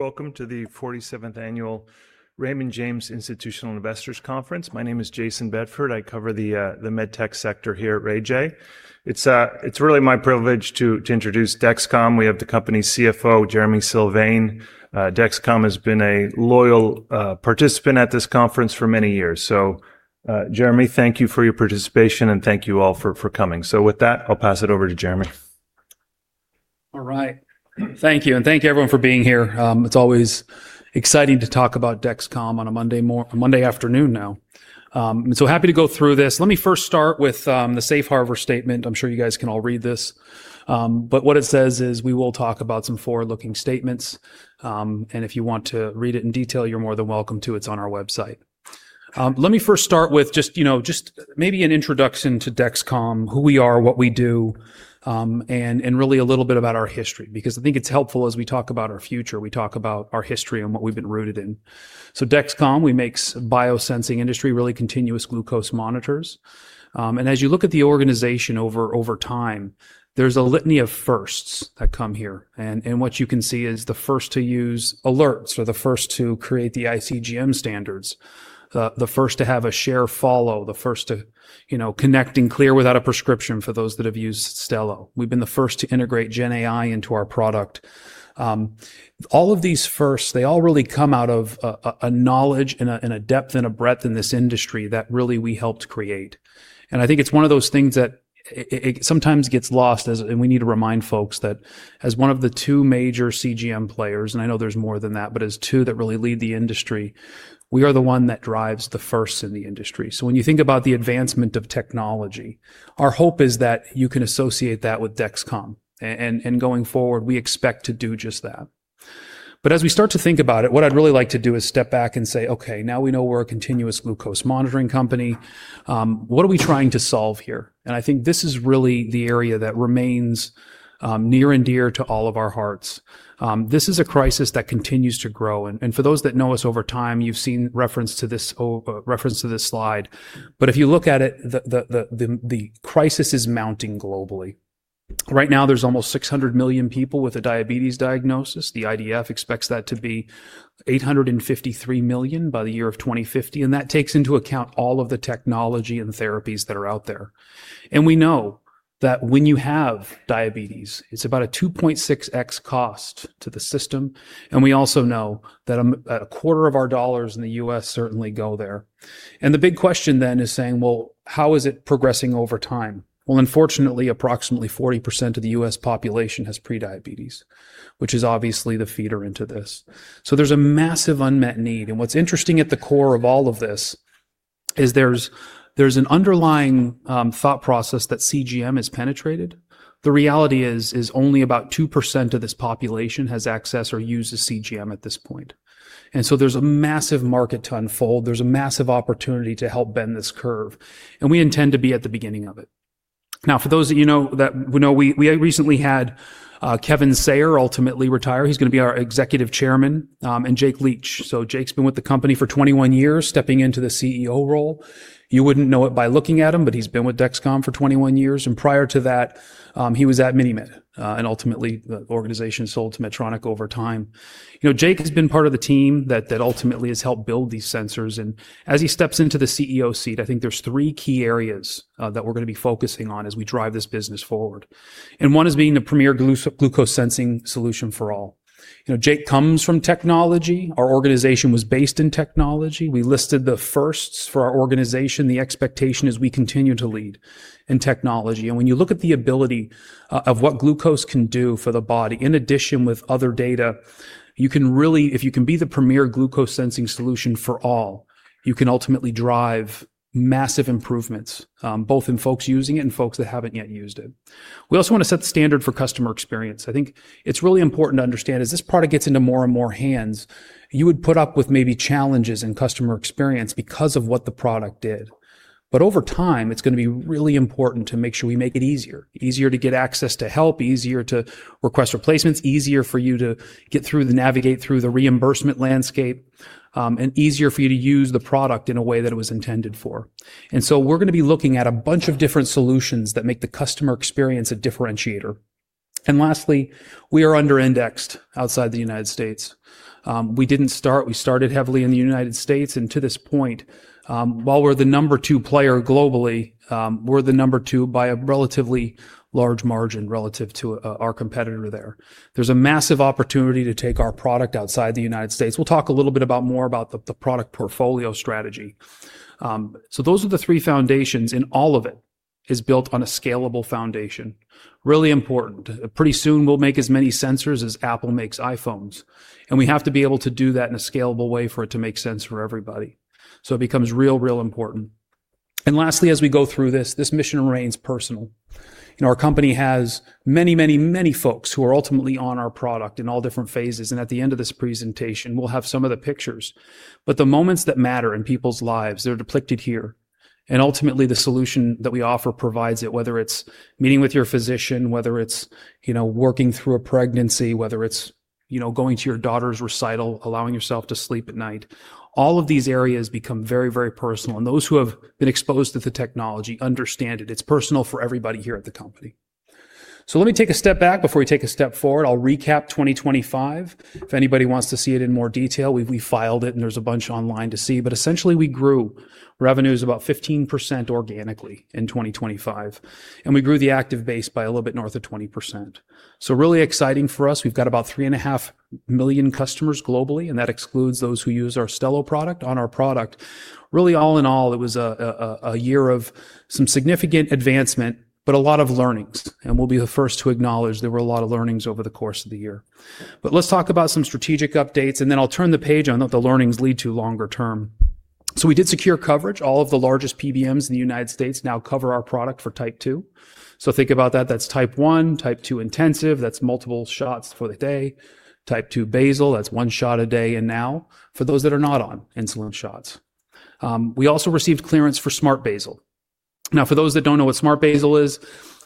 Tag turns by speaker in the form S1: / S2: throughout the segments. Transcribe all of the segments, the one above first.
S1: Welcome to the 47th annual Raymond James Institutional Investors Conference. My name is Jayson Bedford. I cover the med tech sector here at RayJ. It's really my privilege to introduce Dexcom. We have the company's CFO, Jereme Gloeckler. Dexcom has been a loyal participant at this conference for many years. Jereme, thank you for your participation, and thank you all for coming. With that, I'll pass it over to Jereme.
S2: All right. Thank you, thank you everyone for being here. It's always exciting to talk about Dexcom on a Monday afternoon now. Happy to go through this. Let me first start with the safe harbor statement. I'm sure you guys can all read this. What it says is we will talk about some forward-looking statements. If you want to read it in detail, you're more than welcome to. It's on our website. Let me first start with just, you know, just maybe an introduction to Dexcom, who we are, what we do, and really a little bit about our history. I think it's helpful as we talk about our future, we talk about our history and what we've been rooted in. Dexcom, we make biosensing industry, really continuous glucose monitors. As you look at the organization over time, there's a litany of firsts that come here. What you can see is the first to use alerts or the first to create the ICGM standards, the first to have a share follow, the first to, you know, connecting clear without a prescription for those that have used Stelo. We've been the first to integrate gen AI into our product. All of these firsts, they all really come out of a knowledge and a depth and a breadth in this industry that really we helped create. I think it's one of those things that it sometimes gets lost as... We need to remind folks that as one of the two major CGM players, and I know there's more than that, but as two that really lead the industry, we are the one that drives the firsts in the industry. When you think about the advancement of technology, our hope is that you can associate that with Dexcom. Going forward, we expect to do just that. As we start to think about it, what I'd really like to do is step back and say, okay, now we know we're a continuous glucose monitoring company, what are we trying to solve here? I think this is really the area that remains near and dear to all of our hearts. This is a crisis that continues to grow. For those that know us over time, you've seen reference to this reference to this slide. If you look at it, the crisis is mounting globally. Right now, there's almost 600 million people with a diabetes diagnosis. The IDF expects that to be 853 million by the year of 2050, that takes into account all of the technology and therapies that are out there. We know that when you have diabetes, it's about a 2.6x cost to the system. We also know that a quarter of our dollars in the U.S. certainly go there. The big question then is saying, "Well, how is it progressing over time?" Well, unfortunately, approximately 40% of the U.S. population has prediabetes, which is obviously the feeder into this. There's a massive unmet need. What's interesting at the core of all of this is there's an underlying thought process that CGM has penetrated. The reality is only about 2% of this population has access or uses CGM at this point. There's a massive market to unfold. There's a massive opportunity to help bend this curve, and we intend to be at the beginning of it. Now, for those that you know, that know, we recently had Kevin Sayer ultimately retire. He's gonna be our Executive Chairman, and Jake Leach. Jake's been with the company for 21 years, stepping into the CEO role. You wouldn't know it by looking at him, but he's been with Dexcom for 21 years. Prior to that, he was at MiniMed, and ultimately the organization sold to Medtronic over time. You know, Jake has been part of the team that ultimately has helped build these sensors, as he steps into the CEO seat, I think there's three key areas that we're gonna be focusing on as we drive this business forward. One is being the premier glucose sensing solution for all. You know, Jake comes from technology. Our organization was based in technology. We listed the firsts for our organization. The expectation is we continue to lead in technology. When you look at the ability of what glucose can do for the body, in addition with other data, you can really. If you can be the premier glucose sensing solution for all, you can ultimately drive massive improvements, both in folks using it and folks that haven't yet used it. We also want to set the standard for customer experience. I think it's really important to understand as this product gets into more and more hands, you would put up with maybe challenges in customer experience because of what the product did. Over time, it's gonna be really important to make sure we make it easier. Easier to get access to help, easier to request replacements, easier for you to navigate through the reimbursement landscape, and easier for you to use the product in a way that it was intended for. So we're gonna be looking at a bunch of different solutions that make the customer experience a differentiator. Lastly, we are under-indexed outside the United States. We didn't start. We started heavily in the United States. To this point, while we're the number two player globally, we're the number two by a relatively large margin relative to our competitor there. There's a massive opportunity to take our product outside the United States. We'll talk a little bit more about the product portfolio strategy. Those are the three foundations. All of it is built on a scalable foundation. Really important. Pretty soon, we'll make as many sensors as Apple makes iPhones. We have to be able to do that in a scalable way for it to make sense for everybody. It becomes real important. Lastly, as we go through this mission remains personal. You know, our company has many folks who are ultimately on our product in all different phases. At the end of this presentation, we'll have some of the pictures. The moments that matter in people's lives, they're depicted here. Ultimately, the solution that we offer provides it, whether it's meeting with your physician, whether it's, you know, working through a pregnancy, whether it's, you know, going to your daughter's recital, allowing yourself to sleep at night. All of these areas become very, very personal. Those who have been exposed to the technology understand it. It's personal for everybody here at the company. Let me take a step back before we take a step forward. I'll recap 2025. If anybody wants to see it in more detail, we filed it and there's a bunch online to see. Essentially, we grew revenues about 15% organically in 2025, and we grew the active base by a little bit north of 20%. Really exciting for us. We've got about 3.5 million customers globally, and that excludes those who use our Stelo product on our product. All in all, it was a year of some significant advancement, but a lot of learnings, and we'll be the first to acknowledge there were a lot of learnings over the course of the year. Let's talk about some strategic updates, and then I'll turn the page on what the learnings lead to longer term. We did secure coverage. All of the largest PBMs in the United States now cover our product for Type 2. Think about that. That's Type 1, Type 2 intensive, that's multiple shots for the day, Type 2 basal, that's 1 shot a day. For those that are not on insulin shots, we also received clearance for SmartBasal. Now, for those that don't know what SmartBasal is,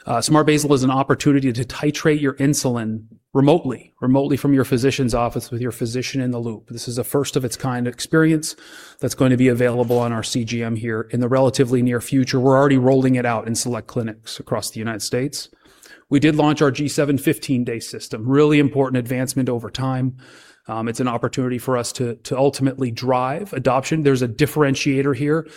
S2: SmartBasal is an opportunity to titrate your insulin remotely from your physician's office with your physician in the loop. This is a first of its kind experience that's going to be available on our CGM here in the relatively near future. We're already rolling it out in select clinics across the United States. We did launch our Dexcom G7 15 Day system. Really important advancement over time. It's an opportunity for us to ultimately drive adoption. There's a differentiator here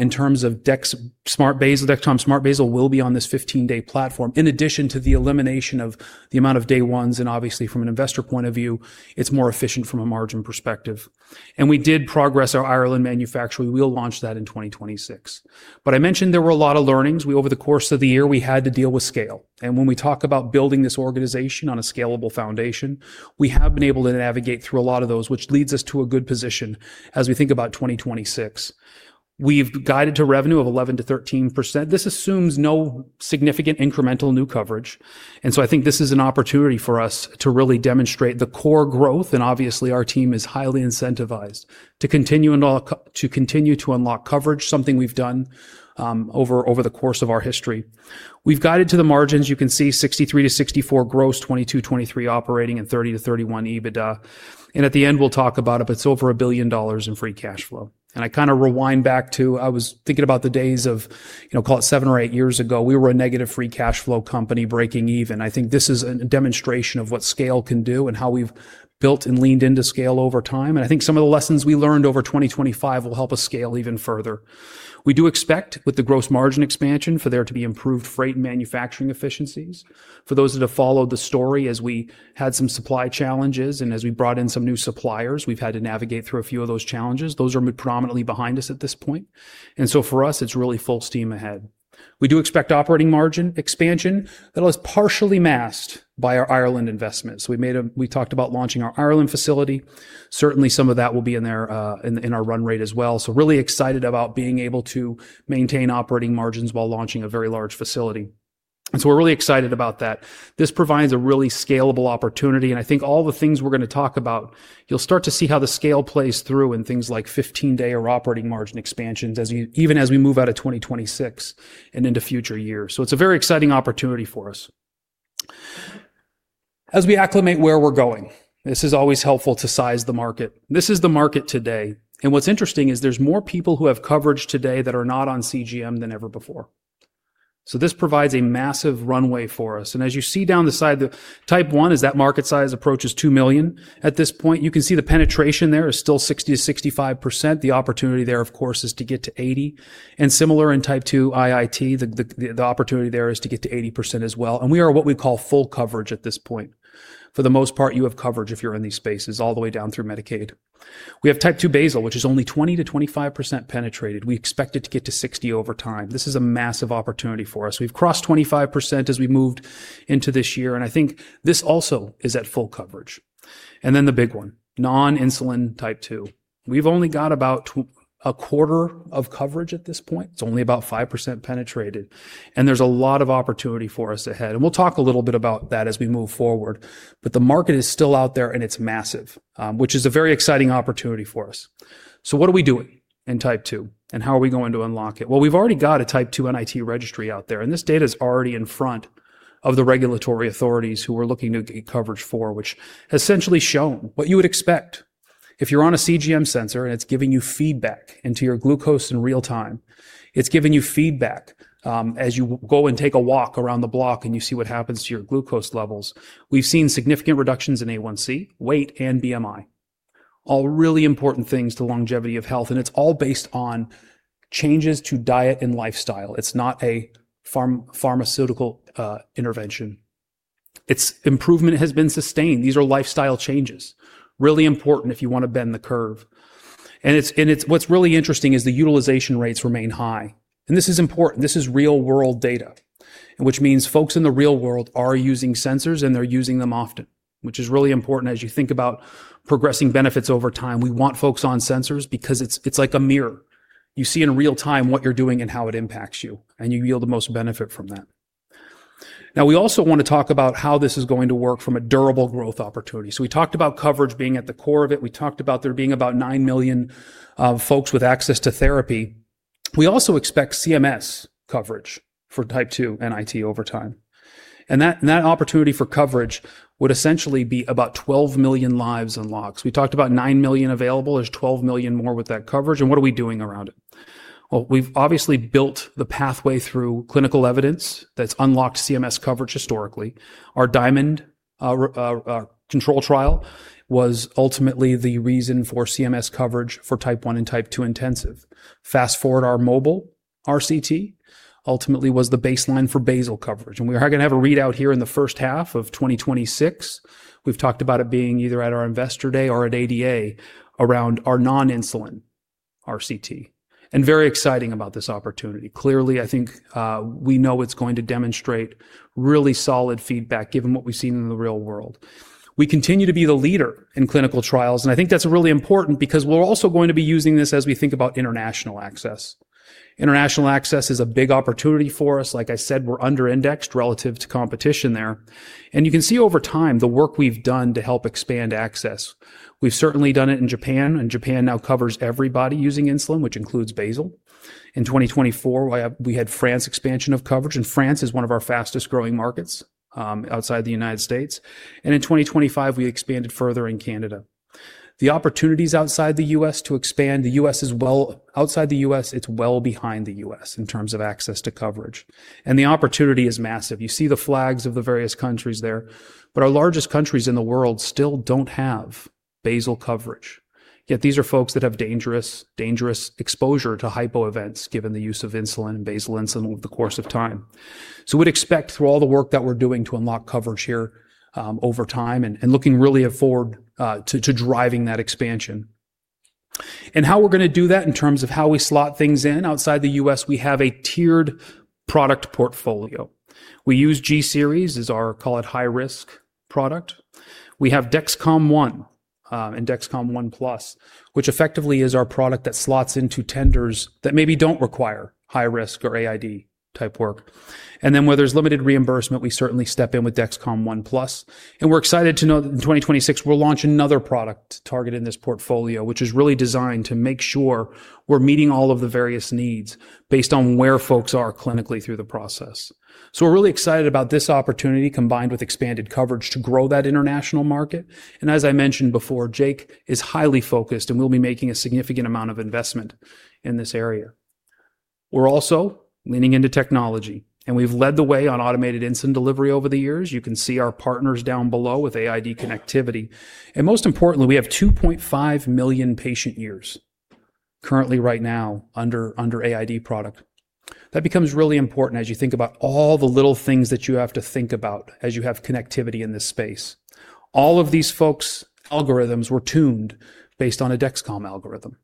S2: in terms of SmartBasal. Dexcom Smart Basal will be on this 15-day platform in addition to the elimination of the amount of day ones. Obviously from an investor point of view, it's more efficient from a margin perspective. We did progress our Ireland manufacturing. We'll launch that in 2026. I mentioned there were a lot of learnings. Over the course of the year, we had to deal with scale. When we talk about building this organization on a scalable foundation, we have been able to navigate through a lot of those, which leads us to a good position as we think about 2026. We've guided to revenue of 11%-13%. This assumes no significant incremental new coverage. I think this is an opportunity for us to really demonstrate the core growth, and obviously, our team is highly incentivized to continue to unlock coverage, something we've done over the course of our history. We've guided to the margins. You can see 63%-64% gross, 22%-23% operating, and 30%-31% EBITDA. At the end, we'll talk about it, but it's over $1 billion in free cash flow. I kinda rewind back to I was thinking about the days of, you know, call it 7 or 8 years ago. We were a negative free cash flow company breaking even. I think this is a demonstration of what scale can do and how we've built and leaned into scale over time. I think some of the lessons we learned over 2025 will help us scale even further. We do expect, with the gross margin expansion, for there to be improved freight and manufacturing efficiencies. For those that have followed the story, as we had some supply challenges and as we brought in some new suppliers, we've had to navigate through a few of those challenges. Those are predominantly behind us at this point. For us, it's really full steam ahead. We do expect operating margin expansion that was partially masked by our Ireland investments. We talked about launching our Ireland facility. Certainly, some of that will be in there, in our run rate as well. Really excited about being able to maintain operating margins while launching a very large facility. We're really excited about that. This provides a really scalable opportunity, and I think all the things we're gonna talk about, you'll start to see how the scale plays through in things like 15-day or operating margin expansions even as we move out of 2026 and into future years. It's a very exciting opportunity for us. As we acclimate where we're going, this is always helpful to size the market. This is the market today. What's interesting is there's more people who have coverage today that are not on CGM than ever before. This provides a massive runway for us. As you see down the side, the Type 1 is that market size approaches $2 million. At this point, you can see the penetration there is still 60%-65%. The opportunity there, of course, is to get to 80. Similar in Type 2 IIT, the opportunity there is to get to 80% as well. We are what we call full coverage at this point. For the most part, you have coverage if you're in these spaces, all the way down through Medicaid. We have Type 2 basal, which is only 20%-25% penetrated. We expect it to get to 60 over time. This is a massive opportunity for us. We've crossed 25% as we moved into this year, and I think this also is at full coverage. The big one, non-insulin Type 2. We've only got about a quarter of coverage at this point. It's only about 5% penetrated. There's a lot of opportunity for us ahead. We'll talk a little bit about that as we move forward. The market is still out there, and it's massive, which is a very exciting opportunity for us. What are we doing in Type 2, and how are we going to unlock it? We've already got a Type 2 NIT registry out there, and this data is already in front of the regulatory authorities who we're looking to get coverage for, which has essentially shown what you would expect. If you're on a CGM sensor and it's giving you feedback into your glucose in real time, it's giving you feedback as you go and take a walk around the block and you see what happens to your glucose levels. We've seen significant reductions in A1C, weight, and BMI. All really important things to longevity of health, and it's all based on changes to diet and lifestyle. It's not a pharmaceutical intervention. Its improvement has been sustained. These are lifestyle changes, really important if you wanna bend the curve. It's what's really interesting is the utilization rates remain high. This is important. This is real-world data, which means folks in the real world are using sensors, and they're using them often, which is really important as you think about progressing benefits over time. We want folks on sensors because it's like a mirror. You see in real time what you're doing and how it impacts you, and you yield the most benefit from that. Now, we also want to talk about how this is going to work from a durable growth opportunity. We talked about coverage being at the core of it. We talked about there being about 9 million folks with access to therapy. We also expect CMS coverage for Type 2 NIT over time. That opportunity for coverage would essentially be about 12 million lives unlocked. We talked about 9 million available. There's 12 million more with that coverage. What are we doing around it? Well, we've obviously built the pathway through clinical evidence that's unlocked CMS coverage historically. Our DIAMOND Control Trial was ultimately the reason for CMS coverage for Type 1 and Type 2 intensive. Fast-forward, our MOBILE RCT ultimately was the baseline for basal coverage, and we are gonna have a readout here in the first half of 2026. We've talked about it being either at our investor day or at ADA around our non-insulin RCT. Very exciting about this opportunity. Clearly, I think, we know it's going to demonstrate really solid feedback given what we've seen in the real world. We continue to be the leader in clinical trials. I think that's really important because we're also going to be using this as we think about international access. International access is a big opportunity for us. Like I said, we're under-indexed relative to competition there. You can see over time the work we've done to help expand access. We've certainly done it in Japan, and Japan now covers everybody using insulin, which includes basal. In 2024, we had France expansion of coverage, and France is one of our fastest-growing markets outside the United States. In 2025, we expanded further in Canada. The opportunities outside the US to expand, outside the US, it's well behind the US in terms of access to coverage. The opportunity is massive. You see the flags of the various countries there. Our largest countries in the world still don't have basal coverage. Yet these are folks that have dangerous exposure to hypo events, given the use of insulin and basal insulin over the course of time. We'd expect through all the work that we're doing to unlock coverage here, over time and looking really forward to driving that expansion. How we're gonna do that in terms of how we slot things in. Outside the US, we have a tiered product portfolio. We use G-Series as our, call it, high-risk product. We have Dexcom ONE and Dexcom ONE+, which effectively is our product that slots into tenders that maybe don't require high risk or AID type work. Where there's limited reimbursement, we certainly step in with Dexcom ONE+, and we're excited to know that in 2026 we'll launch another product targeted in this portfolio, which is really designed to make sure we're meeting all of the various needs based on where folks are clinically through the process. We're really excited about this opportunity combined with expanded coverage to grow that international market. As I mentioned before, Jake is highly focused, and we'll be making a significant amount of investment in this area. We're also leaning into technology, and we've led the way on automated insulin delivery over the years. You can see our partners down below with AID connectivity. Most importantly, we have 2.5 million patient years currently right now under AID product. That becomes really important as you think about all the little things that you have to think about as you have connectivity in this space. All of these folks' algorithms were tuned based on a Dexcom algorithm,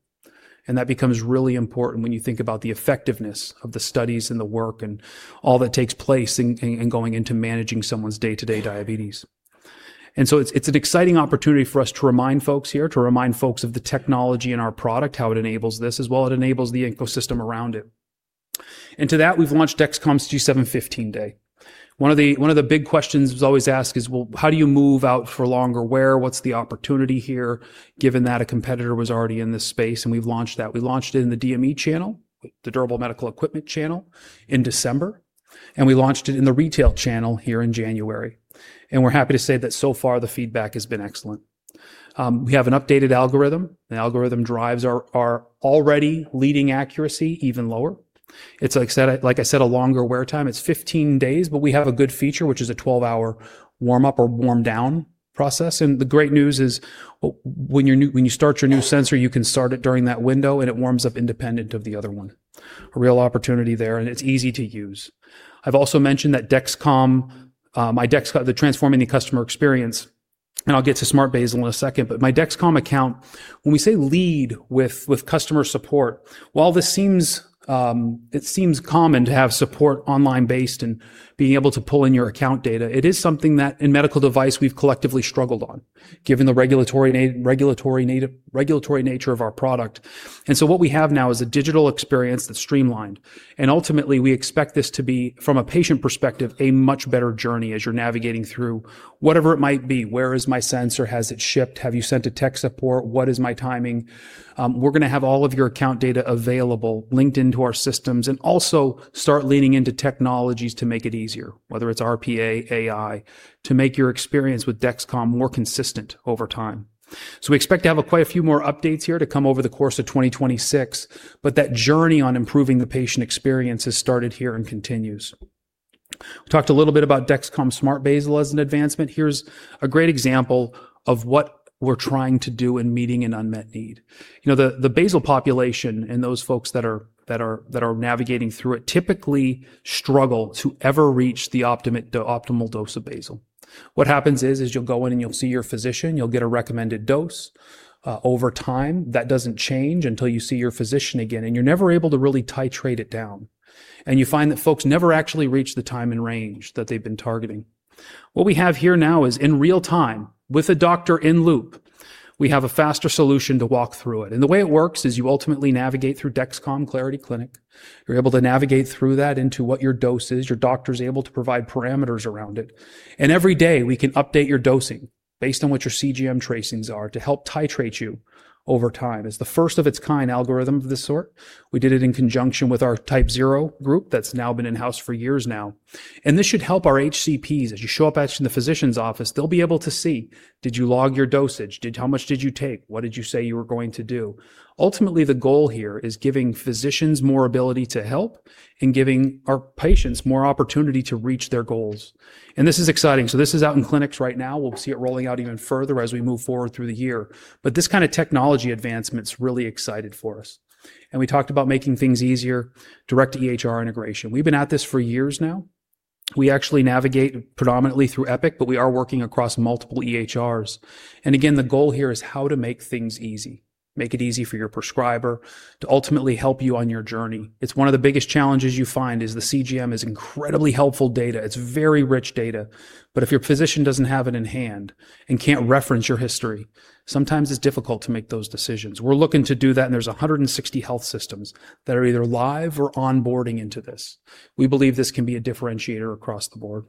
S2: and that becomes really important when you think about the effectiveness of the studies and the work and all that takes place in going into managing someone's day-to-day diabetes. It's an exciting opportunity for us to remind folks here, to remind folks of the technology in our product, how it enables this, as well it enables the ecosystem around it. To that, we've launched Dexcom G7 15 Day. One of the big questions was always asked is, "Well, how do you move out for longer wear? What's the opportunity here given that a competitor was already in this space?" We've launched that. We launched it in the DME channel, the Durable Medical Equipment channel, in December, and we launched it in the retail channel here in January. We're happy to say that so far the feedback has been excellent. We have an updated algorithm. The algorithm drives our already leading accuracy even lower. It's like I said, a longer wear time. It's 15 days, but we have a good feature, which is a 12-hour warm up or warm down process. The great news is when you start your new sensor, you can start it during that window, and it warms up independent of the other one. A real opportunity there, and it's easy to use. I've also mentioned that Dexcom, the transforming the customer experience, and I'll get to Smart Basal in a second. My Dexcom account, when we say lead with customer support, while this seems, it seems common to have support online based and being able to pull in your account data, it is something that in medical device we've collectively struggled on given the regulatory nature of our product. What we have now is a digital experience that's streamlined, and ultimately, we expect this to be, from a patient perspective, a much better journey as you're navigating through whatever it might be. Where is my sensor? Has it shipped? Have you sent a tech support? What is my timing? We're gonna have all of your account data available, linked into our systems, and also start leaning into technologies to make it easier, whether it's RPA, AI, to make your experience with Dexcom more consistent over time. We expect to have quite a few more updates here to come over the course of 2026, but that journey on improving the patient experience has started here and continues. We talked a little bit about Dexcom Smart Basal as an advancement. Here's a great example of what we're trying to do in meeting an unmet need. You know, the basal population and those folks that are navigating through it typically struggle to ever reach the optimal dose of basal. What happens is you'll go in and you'll see your physician, you'll get a recommended dose. Over time, that doesn't change until you see your physician again, and you're never able to really titrate it down. You find that folks never actually reach the time and range that they've been targeting. What we have here now is in real time with a doctor in loop, we have a faster solution to walk through it. The way it works is you ultimately navigate through Dexcom Clarity Clinic. You're able to navigate through that into what your dose is. Your doctor's able to provide parameters around it. Every day, we can update your dosing based on what your CGM tracings are to help titrate you over time. It's the first of its kind algorithm of this sort. We did it in conjunction with our TypeZero group that's now been in-house for years now. This should help our HCPs. As you show up at, in the physician's office, they'll be able to see: Did you log your dosage? How much did you take? What did you say you were going to do? Ultimately, the goal here is giving physicians more ability to help and giving our patients more opportunity to reach their goals. This is exciting. This is out in clinics right now. We'll see it rolling out even further as we move forward through the year. This kind of technology advancement's really exciting for us. We talked about making things easier, direct to EHR integration. We've been at this for years now. We actually navigate predominantly through Epic, but we are working across multiple EHRs. Again, the goal here is how to make things easy, make it easy for your prescriber to ultimately help you on your journey. It's one of the biggest challenges you find is the CGM is incredibly helpful data. It's very rich data, but if your physician doesn't have it in hand and can't reference your history, sometimes it's difficult to make those decisions. We're looking to do that, there's 160 health systems that are either live or onboarding into this. We believe this can be a differentiator across the board.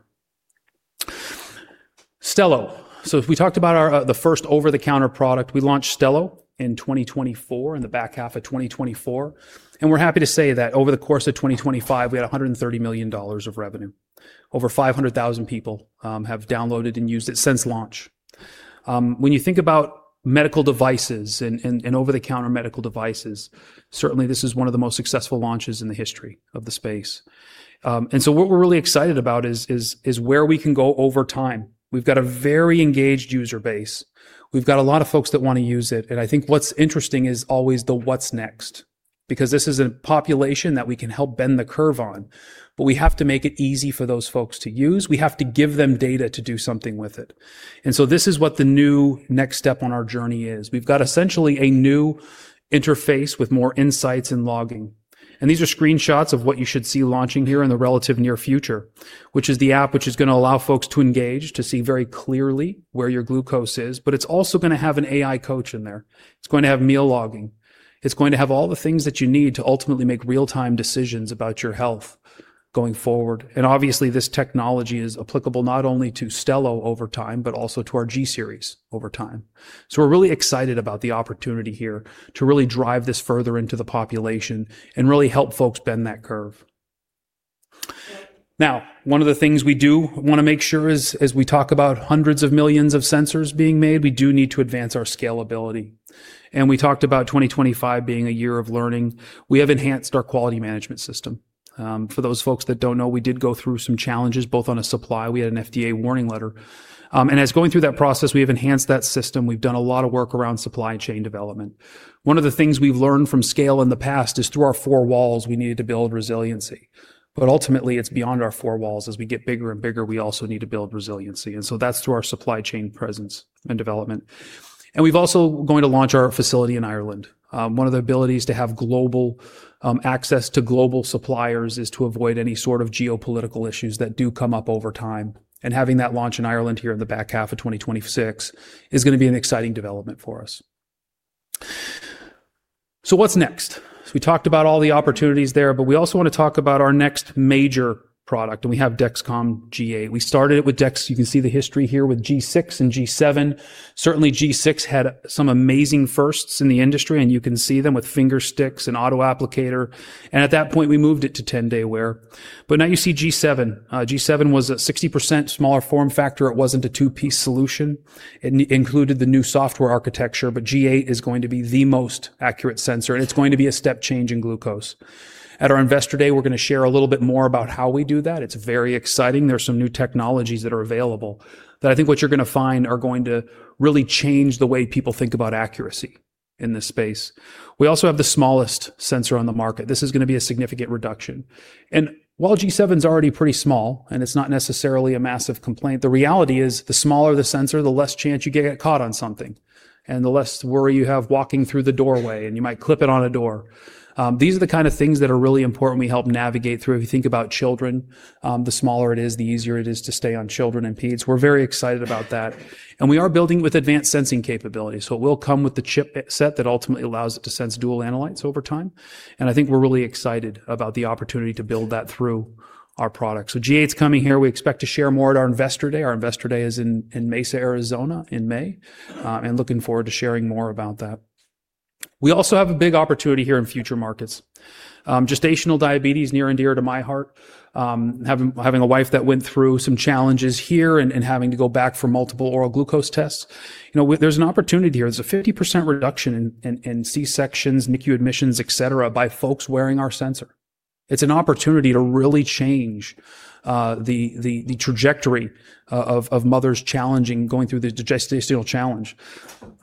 S2: Stelo. If we talked about our the first over-the-counter product, we launched Stelo in 2024, in the back half of 2024, and we're happy to say that over the course of 2025, we had $130 million of revenue. Over 500,000 people have downloaded and used it since launch. When you think about medical devices and over-the-counter medical devices, certainly this is one of the most successful launches in the history of the space. What we're really excited about is where we can go over time. We've got a very engaged user base. We've got a lot of folks that wanna use it, and I think what's interesting is always the what's next, because this is a population that we can help bend the curve on. We have to make it easy for those folks to use. We have to give them data to do something with it. This is what the new next step on our journey is. We've got essentially a new interface with more insights and logging. These are screenshots of what you should see launching here in the relative near future, which is the app which is gonna allow folks to engage, to see very clearly where your glucose is. It's also gonna have an AI coach in there. It's going to have meal logging. It's going to have all the things that you need to ultimately make real-time decisions about your health going forward. Obviously, this technology is applicable not only to Stelo over time, but also to our G-series over time. We're really excited about the opportunity here to really drive this further into the population and really help folks bend that curve. Now, one of the things we do wanna make sure is, as we talk about hundreds of millions of sensors being made, we do need to advance our scalability. We talked about 2025 being a year of learning. We have enhanced our quality management system. For those folks that don't know, we did go through some challenges, both on a supply, we had an FDA warning letter. As going through that process, we have enhanced that system. We've done a lot of work around supply chain development. One of the things we've learned from scale in the past is through our four walls, we needed to build resiliency. Ultimately, it's beyond our four walls. As we get bigger and bigger, we also need to build resiliency, and so that's through our supply chain presence and development. We've also going to launch our facility in Ireland. One of the abilities to have global access to global suppliers is to avoid any sort of geopolitical issues that do come up over time. Having that launch in Ireland here in the back half of 2026 is gonna be an exciting development for us. What's next? We talked about all the opportunities there, but we also wanna talk about our next major product, and we have Dexcom G8. We started it with Dex. You can see the history here with G6 and G7. Certainly, G6 had some amazing firsts in the industry, and you can see them with finger sticks and auto applicator. At that point, we moved it to 10-day wear. Now you see G7. G7 was a 60% smaller form factor. It wasn't a two-piece solution. It included the new software architecture, but G8 is going to be the most accurate sensor, and it's going to be a step change in glucose. At our Investor Day, we're gonna share a little bit more about how we do that. It's very exciting. There are some new technologies that are available that I think what you're gonna find are going to really change the way people think about accuracy in this space. We also have the smallest sensor on the market. This is gonna be a significant reduction. While G7's already pretty small, and it's not necessarily a massive complaint, the reality is the smaller the sensor, the less chance you get caught on something and the less worry you have walking through the doorway, and you might clip it on a door. These are the kind of things that are really important we help navigate through. If you think about children, the smaller it is, the easier it is to stay on children and peds. We're very excited about that. We are building with advanced sensing capabilities, so it will come with the chip set that ultimately allows it to sense dual analytes over time. I think we're really excited about the opportunity to build that through our product. G8's coming here. We expect to share more at our Investor Day. Our Investor Day is in Mesa, Arizona, in May, looking forward to sharing more about that. We also have a big opportunity here in future markets. Gestational diabetes, near and dear to my heart, having a wife that went through some challenges here and having to go back for multiple oral glucose tests. You know, there's an opportunity here. There's a 50% reduction in C-sections, NICU admissions, et cetera, by folks wearing our sensor. It's an opportunity to really change the trajectory of mothers challenging, going through the gestational challenge.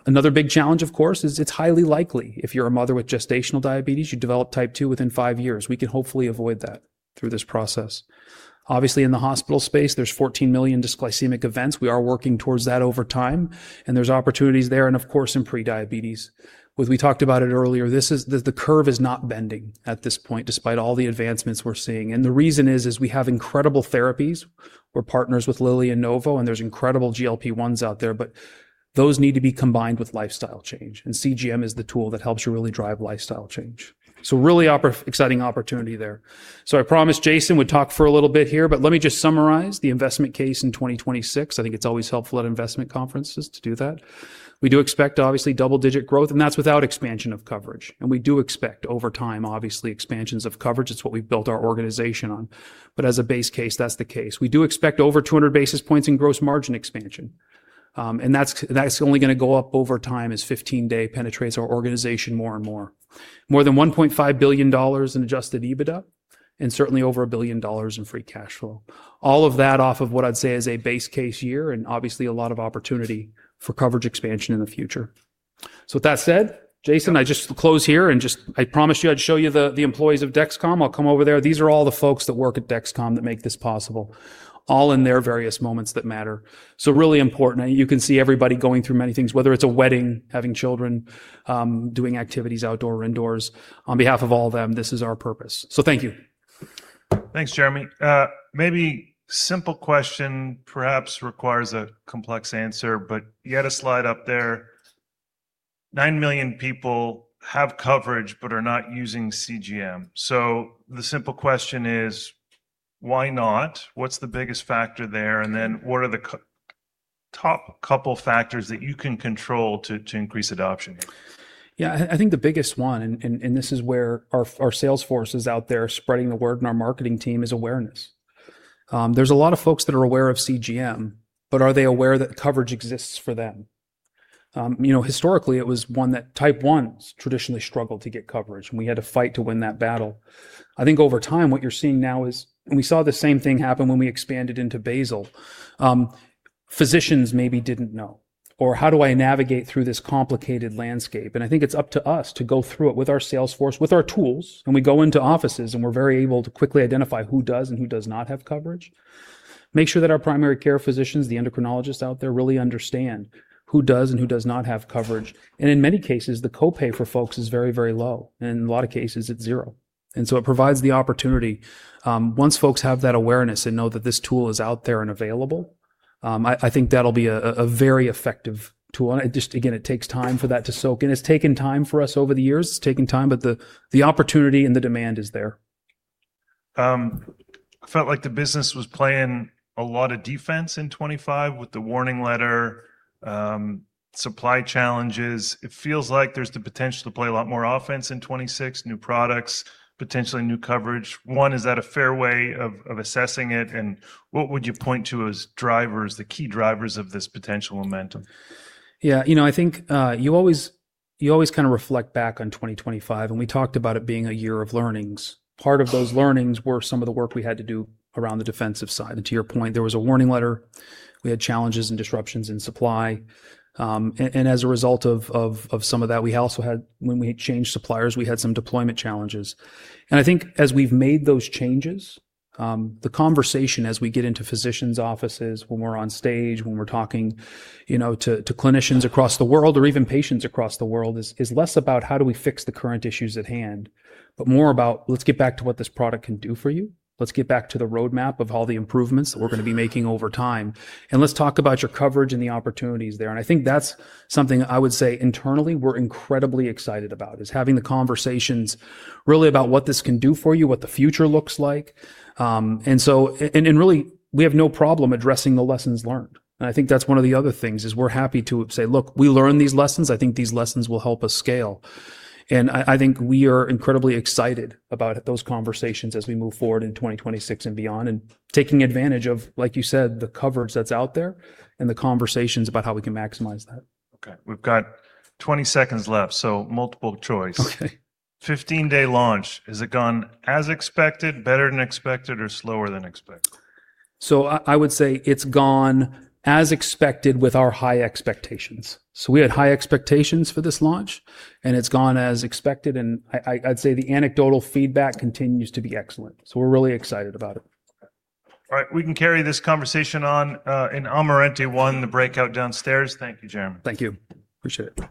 S2: Another big challenge, of course, is it's highly likely if you're a mother with gestational diabetes, you develop Type 2 within five years. We can hopefully avoid that through this process. Obviously, in the hospital space, there's 14 million dysglycemic events. We are working towards that over time, and there's opportunities there and of course, in prediabetes. As we talked about it earlier, this is, the curve is not bending at this point, despite all the advancements we're seeing. The reason is we have incredible therapies. We're partners with Lilly and Novo, and there's incredible GLP-1s out there, but those need to be combined with lifestyle change, and CGM is the tool that helps you really drive lifestyle change. Really exciting opportunity there. I promised Jayson would talk for a little bit here, but let me just summarize the investment case in 2026. I think it's always helpful at investment conferences to do that. We do expect, obviously, double-digit growth, and that's without expansion of coverage. We do expect over time, obviously, expansions of coverage. It's what we've built our organization on. As a base case, that's the case. We do expect over 200 basis points in gross margin expansion, and that's only gonna go up over time as 15-day penetrates our organization more and more. More than $1.5 billion in adjusted EBITDA, and certainly over $1 billion in free cash flow. All of that off of what I'd say is a base case year and obviously a lot of opportunity for coverage expansion in the future. With that said, Jayson, I just close here and just I promised you I'd show you the employees of Dexcom. I'll come over there. These are all the folks that work at Dexcom that make this possible all in their various moments that matter. Really important. And you can see everybody going through many things, whether it's a wedding, having children, doing activities outdoor or indoors. On behalf of all them, this is our purpose. Thank you.
S1: Thanks, Jereme. Maybe simple question, perhaps requires a complex answer, but you had a slide up there. 9 million people have coverage but are not using CGM. The simple question is why not? What's the top couple factors that you can control to increase adoption here?
S2: Yeah. I think the biggest one, and this is where our sales force is out there spreading the word and our marketing team is awareness. There's a lot of folks that are aware of CGM, but are they aware that coverage exists for them? You know, historically, it was one that Type 1s traditionally struggled to get coverage, and we had to fight to win that battle. I think over time, what you're seeing now is. We saw the same thing happen when we expanded into basal. Physicians maybe didn't know, or how do I navigate through this complicated landscape? I think it's up to us to go through it with our sales force, with our tools, and we go into offices, and we're very able to quickly identify who does and who does not have coverage. Make sure that our primary care physicians, the endocrinologists out there, really understand who does and who does not have coverage. In many cases, the copay for folks is very, very low. In a lot of cases, it's zero. It provides the opportunity, once folks have that awareness and know that this tool is out there and available, I think that'll be a very effective tool. It just, again, it takes time for that to soak in. It's taken time for us over the years. It's taken time, but the opportunity and the demand is there.
S1: I felt like the business was playing a lot of defense in 25 with the warning letter, supply challenges. It feels like there's the potential to play a lot more offense in 26, new products, potentially new coverage. One, is that a fair way of assessing it? What would you point to as drivers, the key drivers of this potential momentum?
S2: Yeah. You know, I think, you always, you always kind of reflect back on 2025, and we talked about it being a year of learnings. Part of those learnings were some of the work we had to do around the defensive side. To your point, there was a warning letter. We had challenges and disruptions in supply. As a result of some of that, we also had when we changed suppliers, we had some deployment challenges. I think as we've made those changes, the conversation as we get into physicians' offices, when we're on stage, when we're talking, you know, to clinicians across the world or even patients across the world, is less about how do we fix the current issues at hand, but more about let's get back to what this product can do for you. Let's get back to the roadmap of all the improvements that we're going to be making over time. Let's talk about your coverage and the opportunities there. I think that's something I would say internally we're incredibly excited about, is having the conversations really about what this can do for you, what the future looks like. In really, we have no problem addressing the lessons learned. I think that's one of the other things, is we're happy to say, "Look, we learn these lessons. I think these lessons will help us scale." I think we are incredibly excited about those conversations as we move forward in 2026 and beyond, and taking advantage of, like you said, the coverage that's out there and the conversations about how we can maximize that.
S1: Okay. We've got 20 seconds left. Multiple choice.
S2: Okay.
S1: 15-day launch. Is it gone as expected, better than expected, or slower than expected?
S2: I would say it's gone as expected with our high expectations. We had high expectations for this launch, and it's gone as expected. I'd say the anecdotal feedback continues to be excellent. We're really excited about it.
S1: All right. We can carry this conversation on in Amarante One, the breakout downstairs. Thank you, Jereme.
S2: Thank you. Appreciate it.